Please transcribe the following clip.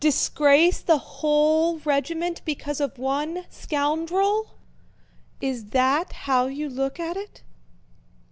Disgrace the whole regiment because of one scoundrel? Is that how you look at it?